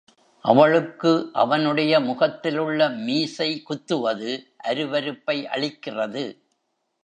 அவளுக்கு அவனுடைய முகத்திலுள்ள மீசை குத்துவது அருவருப்பை அளிக்கிறது.